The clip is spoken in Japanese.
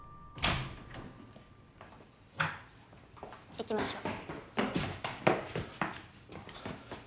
行きましょう。